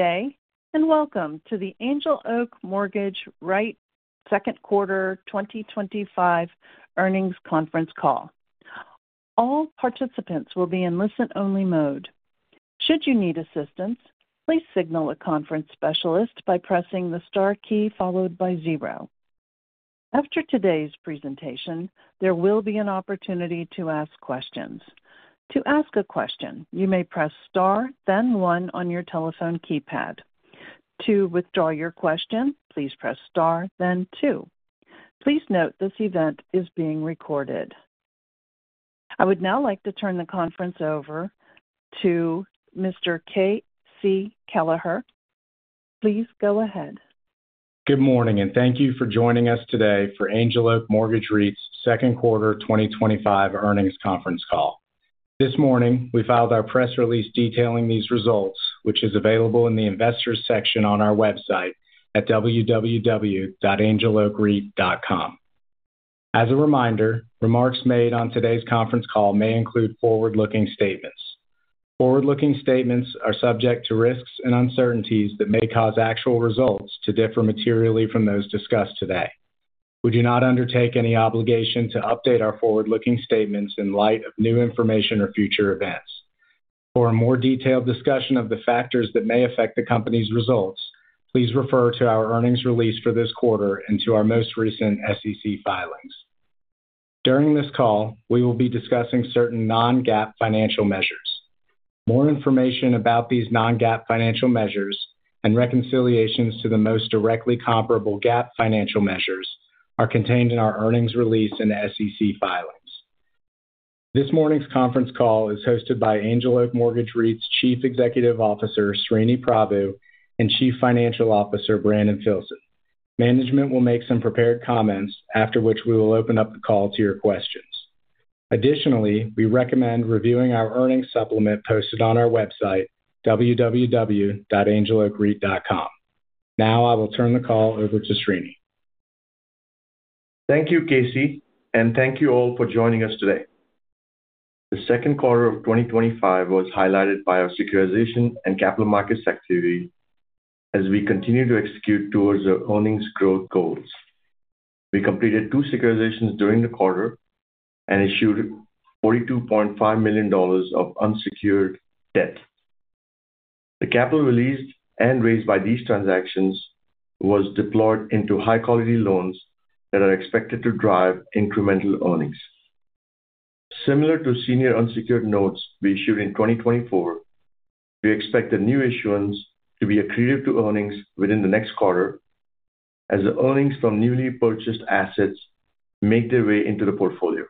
Good day and welcome to the Angel Oak Mortgage REIT second quarter 2025 earnings conference call. All participants will be in listen-only mode. Should you need assistance, please signal a conference specialist by pressing the star key followed by zero. After today's presentation, there will be an opportunity to ask questions. To ask a question, you may press star, then one on your telephone keypad. To withdraw your question, please press starngui, then two. Please note this event is being recorded. I would now like to turn the conference over to Mr. KC Kelleher. Please go ahead. Good morning and thank you for joining us today for Angel Oak Mortgage REIT's Second Quarter 2025 Earnings Conference Call. This morning, we filed our press release detailing these results, which is available in the Investors section on our website at www.angeloakreit.com. As a reminder, remarks made on today's conference call may include forward-looking statements. Forward-looking statements are subject to risks and uncertainties that may cause actual results to differ materially from those discussed today. We do not undertake any obligation to update our forward-looking statements in light of new information or future events. For a more detailed discussion of the factors that may affect the company's results, please refer to our earnings release for this quarter and to our most recent SEC filings. During this call, we will be discussing certain non-GAAP financial measures. More information about these non-GAAP financial measures and reconciliations to the most directly comparable GAAP financial measures are contained in our earnings release and the SEC filings. This morning's conference call is hosted by Angel Oak Mortgage REIT's Chief Executive Officer, Sreeni Prabhu, and Chief Financial Officer, Brandon Filson. Management will make some prepared comments, after which we will open up the call to your questions. Additionally, we recommend reviewing our earnings supplement posted on our website, www.angeloakreit.com. Now, I will turn the call over to Sreeni. Thank you, KC, and thank you all for joining us today. The second quarter of 2025 was highlighted by our securitization and capital markets activity as we continue to execute towards our earnings growth goals. We completed two securitizations during the quarter and issued $42.5 million of unsecured debt. The capital released and raised by these transactions was deployed into high-quality loans that are expected to drive incremental earnings. Similar to senior unsecured notes we issued in 2024, we expect the new issuance to be accretive to earnings within the next quarter as the earnings from newly purchased assets make their way into the portfolio.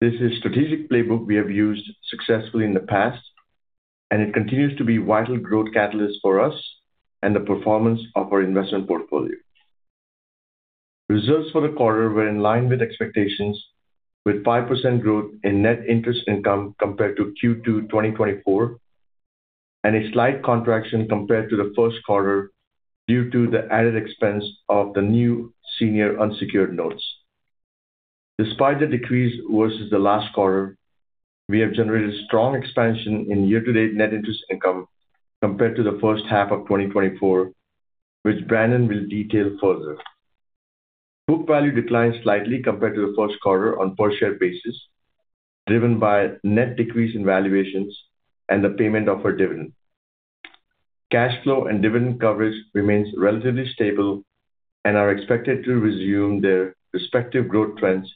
This is a strategic playbook we have used successfully in the past, and it continues to be a vital growth catalyst for us and the performance of our investment portfolio. Results for the quarter were in line with expectations, with 5% growth in net interest income compared to Q2 2024 and a slight contraction compared to the first quarter due to the added expense of the new senior unsecured notes. Despite the decrease versus the last quarter, we have generated strong expansion in year-to-date net interest income compared to the first half of 2024, which Brandon will detail further. Book value declined slightly compared to the first quarter on a per-share basis, driven by net decrease in valuations and the payment of our dividend. Cash flow and dividend coverage remained relatively stable and are expected to resume their respective growth trends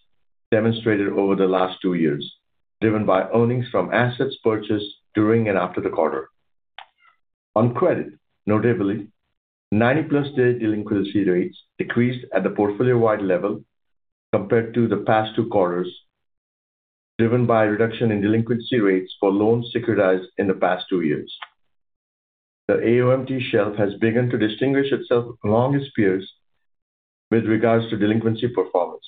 demonstrated over the last two years, driven by earnings from assets purchased during and after the quarter. On credit, notably, 90-plus-day delinquency rates decreased at the portfolio-wide level compared to the past two quarters, driven by a reduction in delinquency rates for loans securitized in the past two years. The AOMT shelf has begun to distinguish itself among its peers with regards to delinquency performance,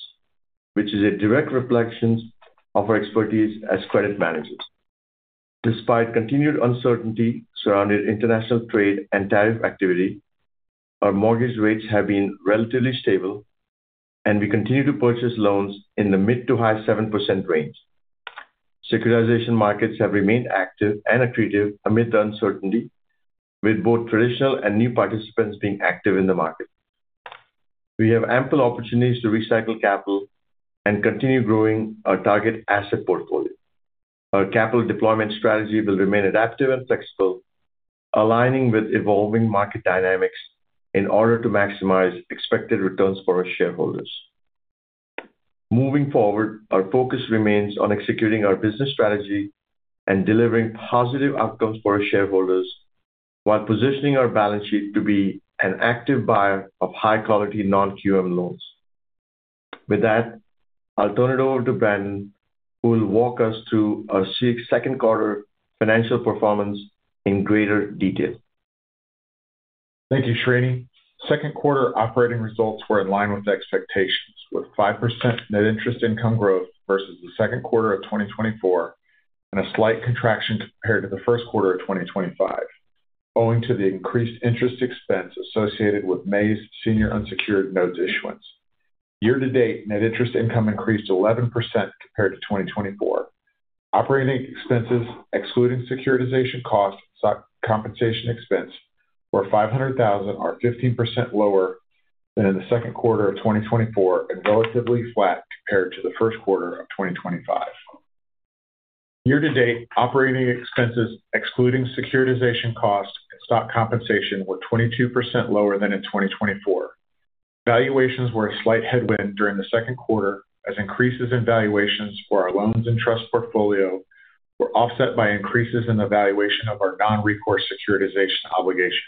which is a direct reflection of our expertise as credit managers. Despite continued uncertainty surrounding international trade and tariff activity, our mortgage rates have been relatively stable, and we continue to purchase loans in the mid to high 7% range. Securitization markets have remained active and accretive amid the uncertainty, with both traditional and new participants being active in the market. We have ample opportunities to recycle capital and continue growing our target asset portfolio. Our capital deployment strategy will remain adaptive and flexible, aligning with evolving market dynamics in order to maximize expected returns for our shareholders. Moving forward, our focus remains on executing our business strategy and delivering positive outcomes for our shareholders while positioning our balance sheet to be an active buyer of high-quality non-QM loans. With that, I'll turn it over to Brandon, who will walk us through our second quarter financial performance in greater detail. Thank you, Sreeni. Second quarter operating results were in line with expectations, with 5% net interest income growth versus the second quarter of 2024 and a slight contraction compared to the first quarter of 2025, owing to the increased interest expense associated with May's senior unsecured notes issuance. Year-to-date net interest income increased to 11% compared to 2024. Operating expenses, excluding securitization cost and stock compensation expense, were $500,000, or 15% lower than in the second quarter of 2024 and relatively flat compared to the first quarter of 2025. Year-to-date operating expenses, excluding securitization cost and stock compensation, were 22% lower than in 2024. Valuations were a slight headwind during the second quarter, as increases in valuations for our loans and trust portfolio were offset by increases in the valuation of our non-recourse securitization obligation.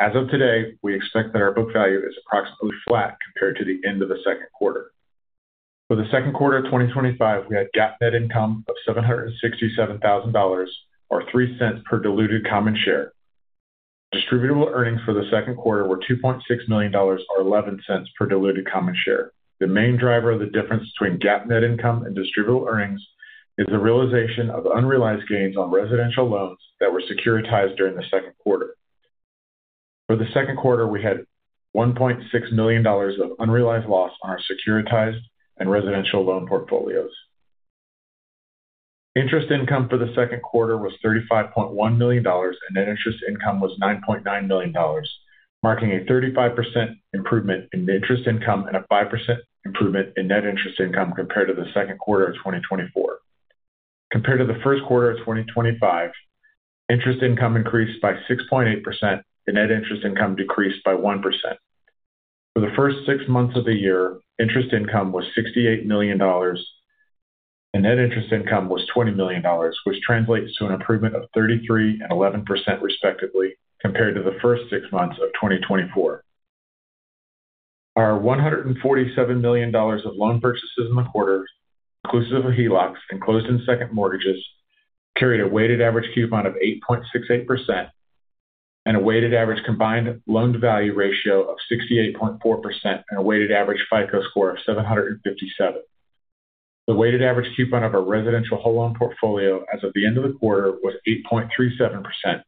As of today, we expect that our book value is approximately flat compared to the end of the second quarter. For the second quarter of 2025, we had GAAP net income of $767,000, or $0.03 per diluted common share. Distributable earnings for the second quarter were $2.6 million, or $0.11 per diluted common share. The main driver of the difference between GAAP net income and distributable earnings is the realization of unrealized gains on residential loans that were securitized during the second quarter. For the second quarter, we had $1.6 million of unrealized loss on our securitized and residential loan portfolios. Interest income for the second quarter was $35.1 million, and net interest income was $9.9 million, marking a 35% improvement in interest income and a 5% improvement in net interest income compared to the second quarter of 2024. Compared to the first quarter of 2025, interest income increased by 6.8%, and net interest income decreased by 1%. For the first six months of the year, interest income was $68 million, and net interest income was $20 million, which translates to an improvement of 33% and 11% respectively compared to the first six months of 2024. Our $147 million of loan purchases in the quarter, inclusive of HELOCs and closed-in second mortgages, carried a weighted average coupon of 8.68% and a weighted average combined loan-to-value ratio of 68.4% and a weighted average FICO score of 757. The weighted average coupon of our residential home loan portfolio as of the end of the quarter was 8.37%,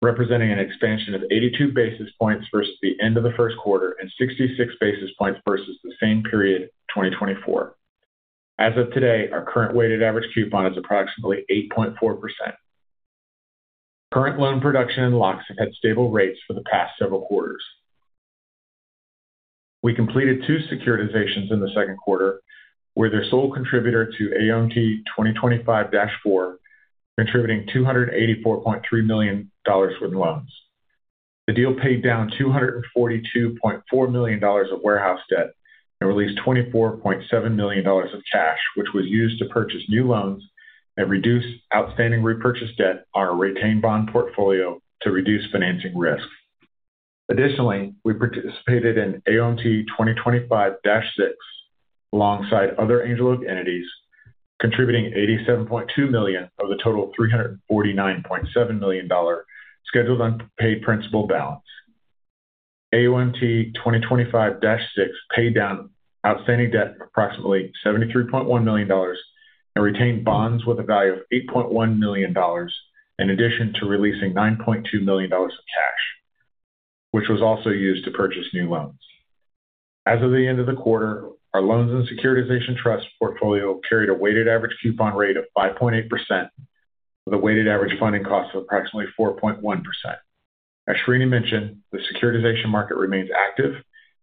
representing an expansion of 82 basis points versus the end of the first quarter and 66 basis points versus the same period of 2024. As of today, our current weighted average coupon is approximately 8.4%. Current loan production locks at stable rates for the past several quarters. We completed two securitizations in the second quarter, where the sole contributor to AOMT 2025-4 contributed $284.3 million with loans. The deal paid down $242.4 million of warehouse debt and released $24.7 million of cash, which was used to purchase new loans and reduce outstanding repurchase debt on our retained bond portfolio to reduce financing risks. Additionally, we participated in AOMT 2025-6 alongside other Angel Oak entities, contributing $87.2 million of the total $349.7 million scheduled unpaid principal balance. AOMT 2025-6 paid down outstanding debt of approximately $73.1 million and retained bonds with a value of $8.1 million, in addition to releasing $9.2 million of cash, which was also used to purchase new loans. As of the end of the quarter, our loans and securitization trust portfolio carried a weighted average coupon rate of 5.8%, with a weighted average funding cost of approximately 4.1%. As Sreeni mentioned, the securitization market remains active,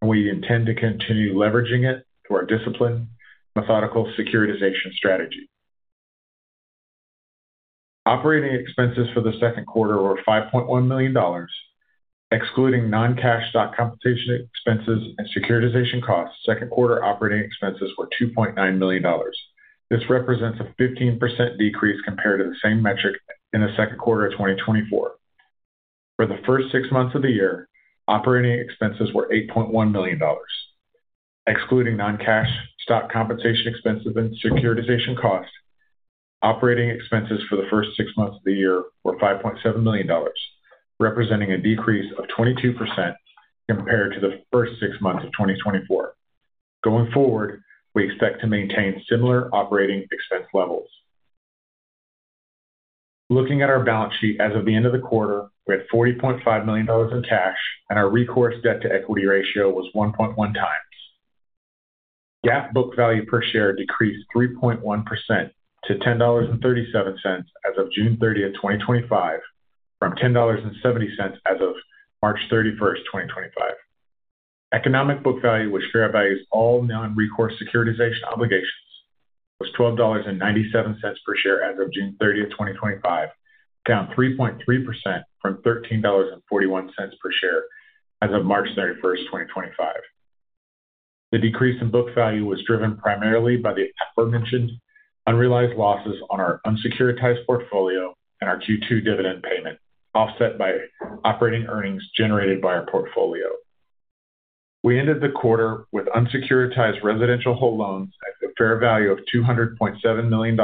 and we intend to continue leveraging it through our disciplined, methodical securitization strategy. Operating expenses for the second quarter were $5.1 million, excluding non-cash stock compensation expenses and securitization costs. Second quarter operating expenses were $2.9 million. This represents a 15% decrease compared to the same metric in the second quarter of 2024. For the first six months of the year, operating expenses were $8.1 million, excluding non-cash stock compensation expenses and securitization costs. Operating expenses for the first six months of the year were $5.7 million, representing a decrease of 22% compared to the first six months of 2024. Going forward, we expect to maintain similar operating expense levels. Looking at our balance sheet as of the end of the quarter, we had $40.5 million in cash, and our recourse debt-to-equity ratio was 1.1x. GAAP book value per share decreased 3.1%-$10.37 as of June 30, 2025, from $10.70 as of March 31, 2025. Economic book value, which fair values all non-recourse securitization obligations, was $12.97 per share as of June 30, 2025, down 3.3% from $13.41 per share as of March 31, 2025. The decrease in book value was driven primarily by the aforementioned unrealized losses on our unsecuritized portfolio and our Q2 dividend payment, offset by operating earnings generated by our portfolio. We ended the quarter with unsecuritized residential home loans at a fair value of $200.7 million,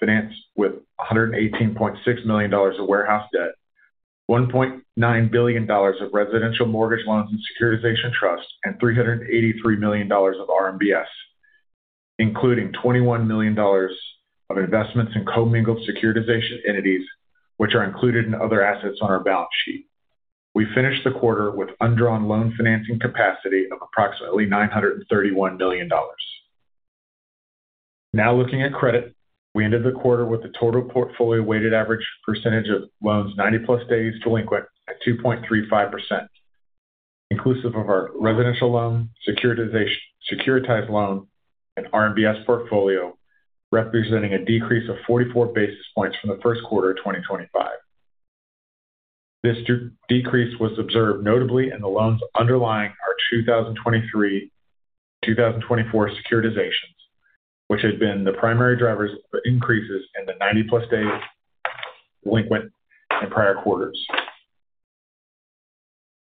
financed with $118.6 million of warehouse debt, $1.9 billion of residential mortgage loans and securitization trusts, and $383 million of RMBS, including $21 million of investments in comingled securitization entities, which are included in other assets on our balance sheet. We finished the quarter with undrawn loan financing capacity of approximately $931 million. Now looking at credit, we ended the quarter with the total portfolio weighted average percentage of loans 90+ days delinquent at 2.35%, inclusive of our residential loan, securitized loan, and RMBS portfolio, representing a decrease of 44 basis points from the first quarter of 2025. This decrease was observed notably in the loans underlying our 2023/2024 securitizations, which had been the primary drivers of increases in the 90+ days delinquent in prior quarters.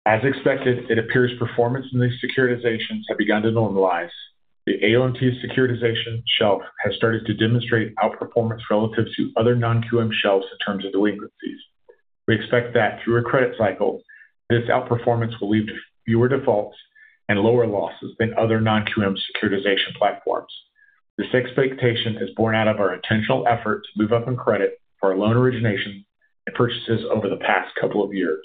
As expected, it appears performance in these securitizations has begun to normalize. The AOMT securitization shelf has started to demonstrate outperformance relative to other non-QM shelves in terms of delinquencies. We expect that through a credit cycle, this outperformance will lead to fewer defaults and lower losses than other non-QM securitization platforms. This expectation is born out of our intentional effort to move up in credit for our loan origination and purchases over the past couple of years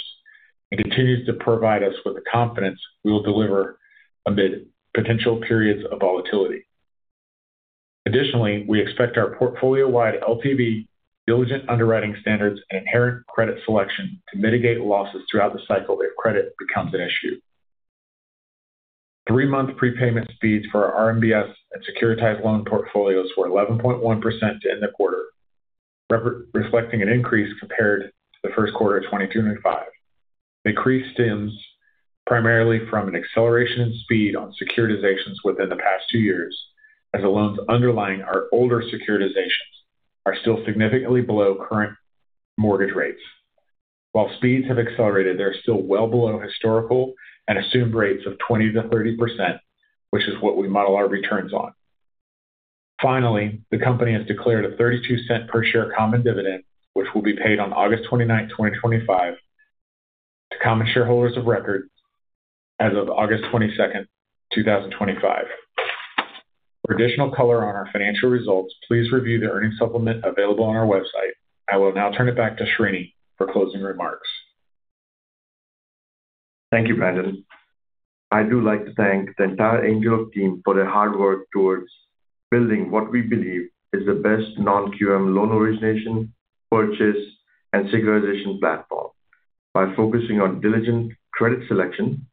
and continues to provide us with the confidence we will deliver amid potential periods of volatility. Additionally, we expect our portfolio-wide LTV, diligent underwriting standards, and inherent credit selection to mitigate losses throughout the cycle if credit becomes an issue. Three-month prepayment speeds for our RMBS and securitized loan portfolios were 11.1% to end the quarter, reflecting an increase compared to the first quarter of 2025. The increase stems primarily from an acceleration in speed on securitizations within the past two years, as the loans underlying our older securitizations are still significantly below current mortgage rates. While speeds have accelerated, they're still well below historical and assumed rates of 20%-30%, which is what we model our returns on. Finally, the company has declared a $0.32 per share common dividend, which will be paid on August 29th, 2025, to common shareholders of record as of August 22nd, 2025. For additional color on our financial results, please review the earnings supplement available on our website. I will now turn it back to Sreeni for closing remarks. Thank you, Brandon. I'd like to thank the entire Angel Oak team for their hard work towards building what we believe is the best non-QM loan origination purchase and securitization platform by focusing on diligent credit selection,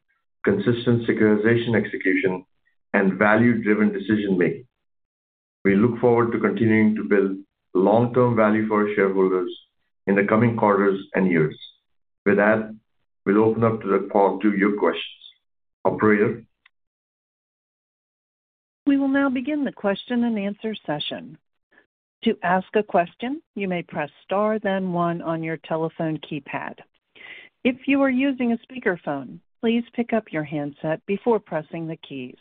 consistent securitization execution, and value-driven decision-making. We look forward to continuing to build long-term value for our shareholders in the coming quarters and years. With that, we'll open up the call to your questions. Operator. We will now begin the question and answer session. To ask a question, you may press star, then one on your telephone keypad. If you are using a speakerphone, please pick up your handset before pressing the keys.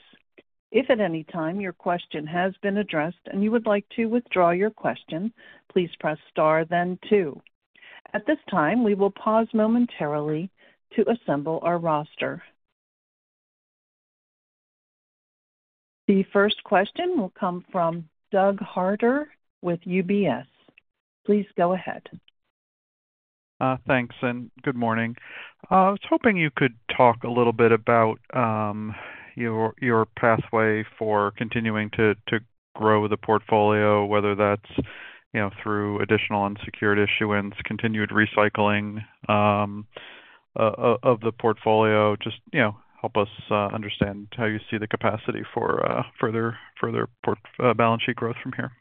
If at any time your question has been addressed and you would like to withdraw your question, please press star, then two. At this time, we will pause momentarily to assemble our roster. The first question will come from Douglas Harter with UBS. Please go ahead. Thanks, and good morning. I was hoping you could talk a little bit about your pathway for continuing to grow the portfolio, whether that's, you know, through additional unsecured issuance, continued recycling of the portfolio. Just help us understand how you see the capacity for further balance sheet growth from here.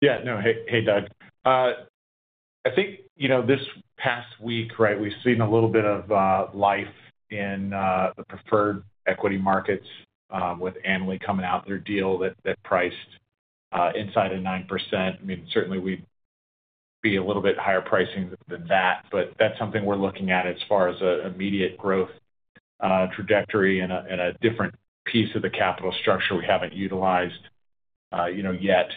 Yeah, no, hey, Doug. I think, you know, this past week, we've seen a little bit of life in the preferred equity markets with Annaly coming out with their deal that priced inside of 9%. I mean, certainly we'd be a little bit higher pricing than that, but that's something we're looking at as far as an immediate growth trajectory and a different piece of the capital structure we haven't utilized yet.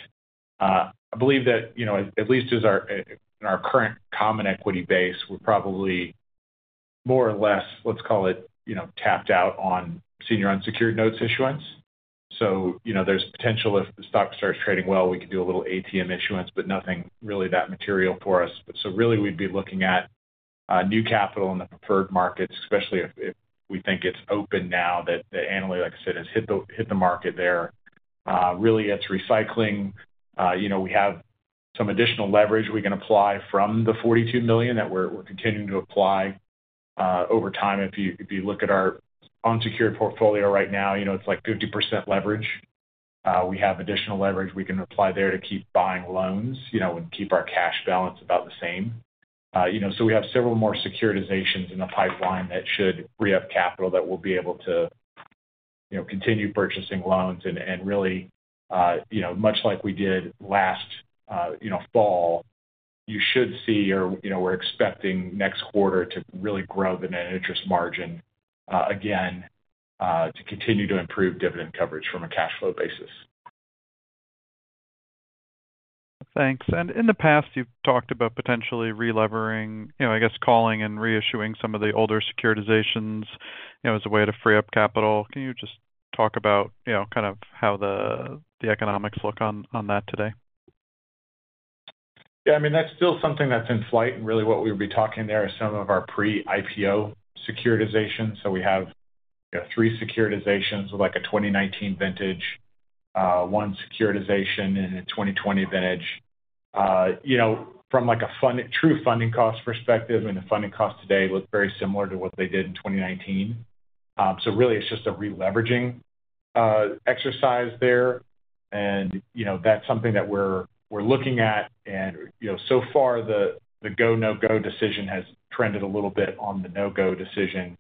I believe that, at least in our current common equity base, we're probably more or less, let's call it, tapped out on senior unsecured notes issuance. There is potential if the stock starts trading well, we could do a little ATM issuance, but nothing really that material for us. Really, we'd be looking at new capital in the preferred markets, especially if we think it's open now that Annaly, like I said, has hit the market there. Really, it's recycling. We have some additional leverage we can apply from the $42 million that we're continuing to apply over time. If you look at our unsecured portfolio right now, it's like 50% leverage. We have additional leverage we can apply there to keep buying loans and keep our cash balance about the same. We have several more securitizations in the pipeline that should free up capital that we'll be able to continue purchasing loans and really, much like we did last fall, you should see, or we're expecting next quarter to really grow the net interest margin again to continue to improve dividend coverage from a cash flow basis. Thanks. In the past, you've talked about potentially re-levering, calling and reissuing some of the older securitizations as a way to free up capital. Can you just talk about how the economics look on that today? Yeah, I mean, that's still something that's in flight, and really what we would be talking there is some of our pre-IPO securitizations. We have three securitizations with like a 2019 vintage, one securitization, and a 2020 vintage. From a true funding cost perspective, the funding costs today look very similar to what they did in 2019. It's just a re-leveraging exercise there, and that's something that we're looking at. So far, the go/no-go decision has trended a little bit on the no-go decision,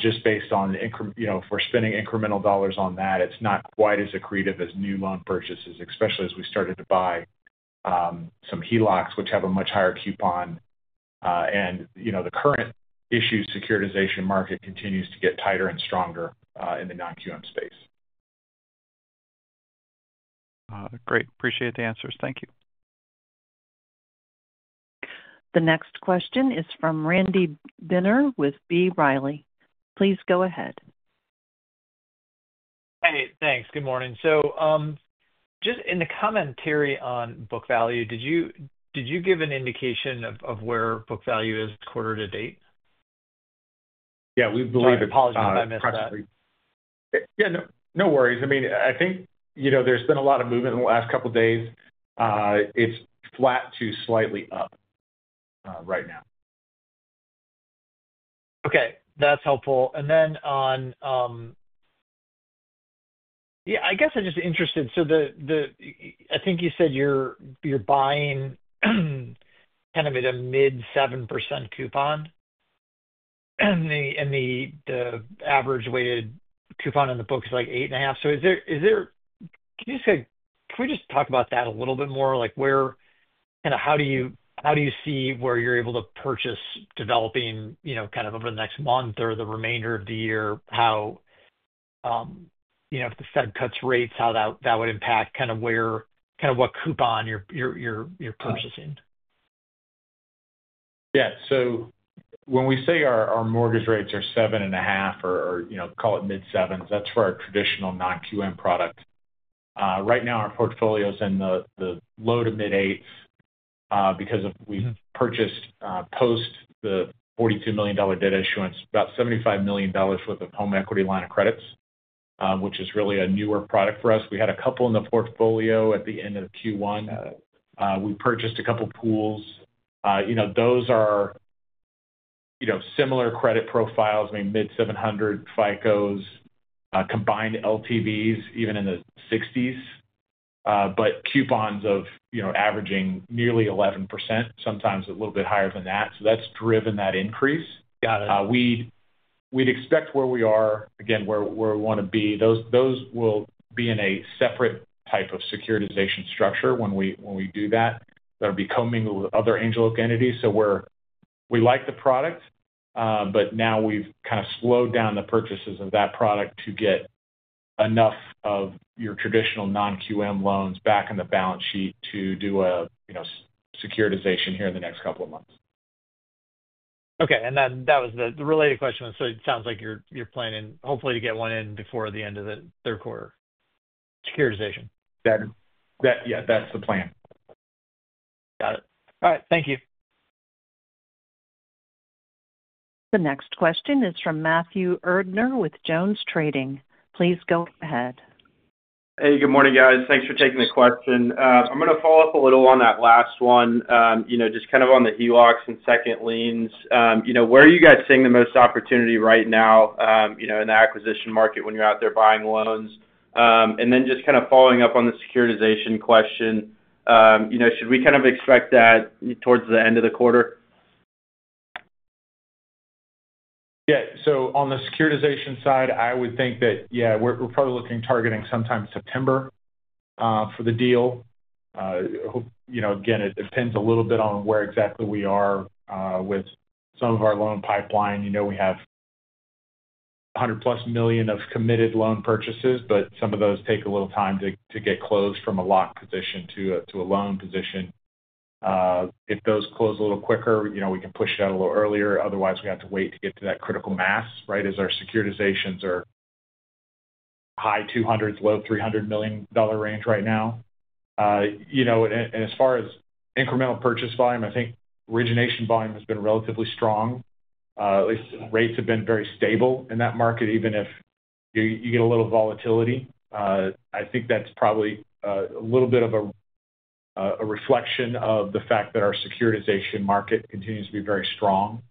just based on if we're spending incremental dollars on that, it's not quite as accretive as new loan purchases, especially as we started to buy some HELOCs, which have a much higher coupon. The current issued securitization market continues to get tighter and stronger in the non-QM space. Great. Appreciate the answers. Thank you. The next question is from Randy Binner with B. Riley. Please go ahead. Hey, thanks. Good morning. In the commentary on book value, did you give an indication of where book value is quarter-to-date? Yeah, we believe it. Apologies if I missed that. Yeah, no worries. I mean, I think there's been a lot of movement in the last couple of days. It's flat to slightly up right now. Okay, that's helpful. I'm just interested. I think you said you're buying kind of at a mid-7% coupon, and the average weighted coupon in the book is like 8.5%. Can we just talk about that a little bit more? How do you see where you're able to purchase developing over the next month or the remainder of the year? If the Fed cuts rates, how would that impact what coupon you're purchasing? Yeah, so when we say our mortgage rates are 7.5% or, you know, call it mid-sevens, that's for our traditional non-QM product. Right now, our portfolio is in the low to mid-eighths because we've purchased, post the $42 million debt issuance, about $75 million worth of home equity line of credits, which is really a newer product for us. We had a couple in the portfolio at the end of Q1. We purchased a couple pools. Those are similar credit profiles, I mean, mid-700 FICOs, combined LTVs even in the 60s, but coupons averaging nearly 11%, sometimes a little bit higher than that. That's driven that increase. Got it. We'd expect where we are, again, where we want to be, those will be in a separate type of securitization structure when we do that. That would be comingled with other Angel Oak entities. We like the product, but now we've kind of slowed down the purchases of that product to get enough of your traditional non-QM loans back on the balance sheet to do a securitization here in the next couple of months. Okay, that was the related question. It sounds like you're planning hopefully to get one in before the end of the third quarter securitization. Yeah, that's the plan. Got it. All right, thank you. The next question is from Matthew Erdner with Jones Trading. Please go ahead. Hey, good morning guys. Thanks for taking the question. I'm going to follow up a little on that last one, just kind of on the HELOCs and second liens. Where are you guys seeing the most opportunity right now in the acquisition market when you're out there buying loans? Just kind of following up on the securitization question, should we kind of expect that towards the end of the quarter? Yeah, so on the securitization side, I would think that, yeah, we're probably looking at targeting sometime in September for the deal. It depends a little bit on where exactly we are with some of our loan pipeline. We have $100-plus million of committed loan purchases, but some of those take a little time to get closed from a locked position to a loan position. If those close a little quicker, we can push it out a little earlier. Otherwise, we have to wait to get to that critical mass, right, as our securitizations are high $200 million, low $300 million range right now. As far as incremental purchase volume, I think origination volume has been relatively strong. At least rates have been very stable in that market, even if you get a little volatility. I think that's probably a little bit of a reflection of the fact that our securitization market continues to be very strong.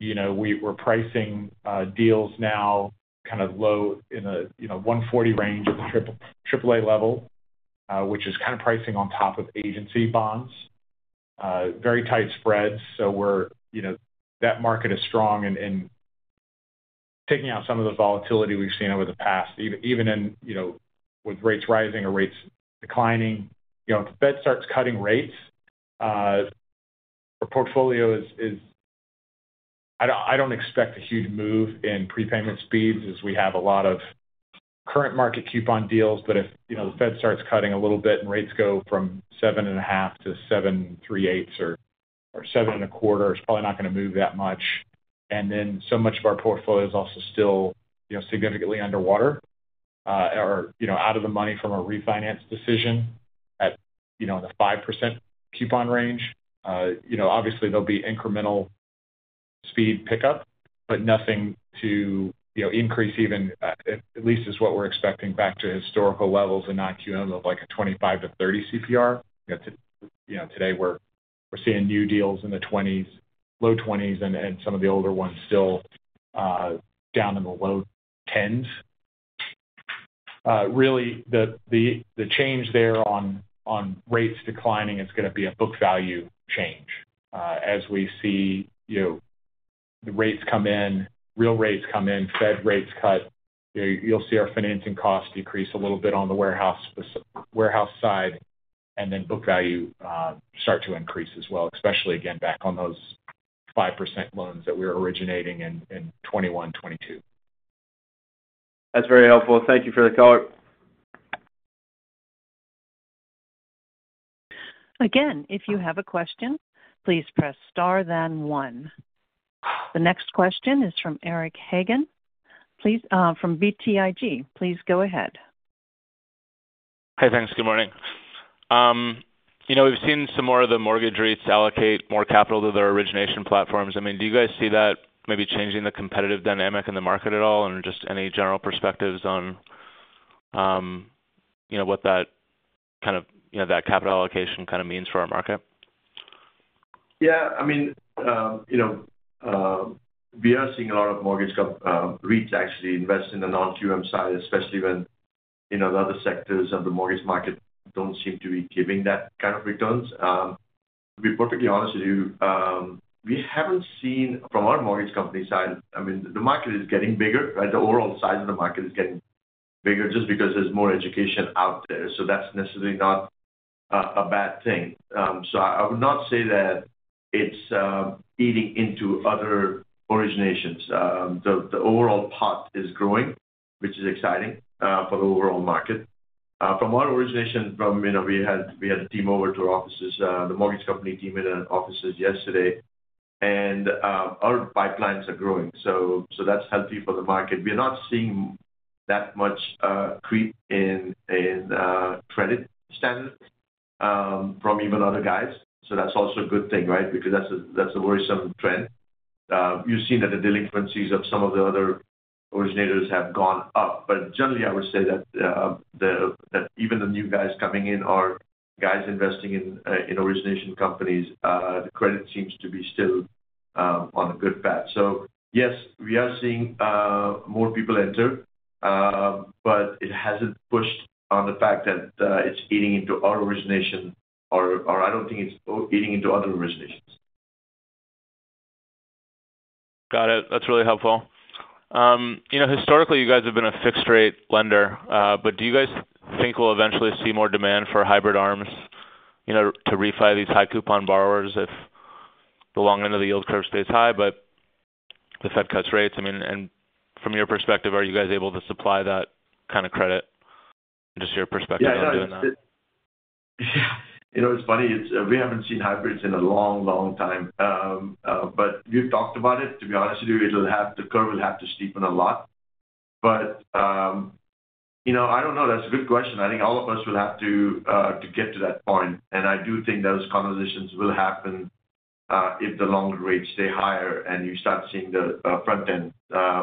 We're pricing deals now kind of low in the, you know, 140 range of the AAA level, which is kind of pricing on top of agency bonds, very tight spreads. That market is strong and taking out some of the volatility we've seen over the past, even in, you know, with rates rising or rates declining. If the Fed starts cutting rates, our portfolio is, I don't expect a huge move in prepayment speeds as we have a lot of current market coupon deals. If the Fed starts cutting a little bit and rates go from 7.5%-7.38% or 7.25%, it's probably not going to move that much. So much of our portfolio is also still, you know, significantly underwater or, you know, out of the money from a refinance decision at, you know, the 5% coupon range. Obviously, there'll be incremental speed pickup, but nothing to increase even, at least is what we're expecting back to historical levels in non-QM of like a 25%-30% CPR. Today we're seeing new deals in the 20%s, low 20%s, and some of the older ones still down in the low 10s. Really, the change there on rates declining is going to be a book value change as we see the rates come in, real rates come in, Fed rates cut. You'll see our financing costs decrease a little bit on the warehouse side, and then book value start to increase as well, especially again back on those 5% loans that we were originating in 2021, 2022. That's very helpful. Thank you for the call. Again, if you have a question, please press star, then one. The next question is from Eric Hagen from BTIG. Please go ahead. Hey, thanks. Good morning. We've seen some more of the mortgage REITs allocate more capital to their origination platforms. Do you guys see that maybe changing the competitive dynamic in the market at all, and just any general perspectives on what that kind of capital allocation means for our market? Yeah, I mean, we are seeing a lot of mortgage REITs actually invest in the non-QM side, especially when the other sectors of the mortgage market don't seem to be giving that kind of returns. To be perfectly honest with you, we haven't seen from our mortgage company side, the market is getting bigger, right? The overall size of the market is getting bigger just because there's more education out there. That's necessarily not a bad thing. I would not say that it's eating into other originations. The overall pot is growing, which is exciting for the overall market. From our origination, we had a team over to our offices, the mortgage company team at our offices yesterday, and our pipelines are growing. That's healthy for the market. We are not seeing that much creep in credit standards from even other guys. That's also a good thing, right? Because that's a worrisome trend. You've seen that the delinquencies of some of the other originators have gone up. Generally, I would say that even the new guys coming in or guys investing in origination companies, the credit seems to be still on a good path. Yes, we are seeing more people enter, but it hasn't pushed on the fact that it's eating into our origination, or I don't think it's eating into other originations. Got it. That's really helpful. You know, historically, you guys have been a fixed-rate lender. Do you guys think we'll eventually see more demand for hybrid ARMs to refi these high coupon borrowers if the long end of the yield curve stays high, but the Fed cuts rates? I mean, from your perspective, are you guys able to supply that kind of credit? Just your perspective on doing that. Yeah, you know, it's funny. We haven't seen hybrids in a long, long time. You talked about it. To be honest with you, the curve will have to steepen a lot. I don't know. That's a good question. I think all of us will have to get to that point. I do think those conversations will happen if the long rates stay higher and you start seeing the front end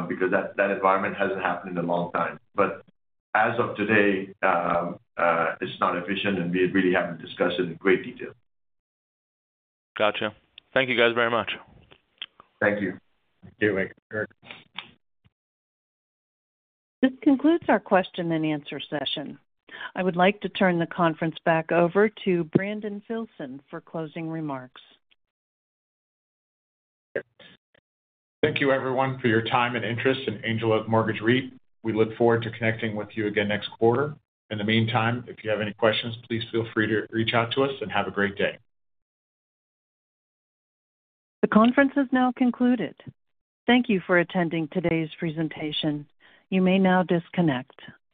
because that environment hasn't happened in a long time. As of today, it's not efficient and we really haven't discussed it in great detail. Gotcha. Thank you guys very much. Thank you. You're welcome. This concludes our question and answer session. I would like to turn the conference back over to Brandon Filson for closing remarks. Thank you, everyone, for your time and interest in Angel Oak Mortgage REIT. We look forward to connecting with you again next quarter. In the meantime, if you have any questions, please feel free to reach out to us and have a great day. The conference is now concluded. Thank you for attending today's presentation. You may now disconnect.